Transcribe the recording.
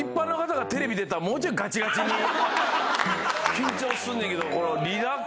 緊張すんねんけど。